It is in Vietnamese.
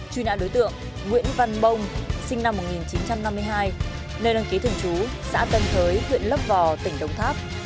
truy nã đối tượng nguyễn văn bông sinh năm một nghìn chín trăm năm mươi hai nơi đăng ký thường trú xã tân thới huyện lấp vò tỉnh đồng tháp